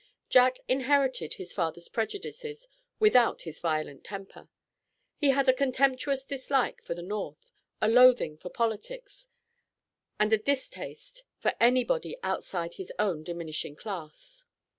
Jack inherited his father's prejudices without his violent temper. He had a contemptuous dislike for the North, a loathing for politics, and adistaste for everybody outside his own diminishing class.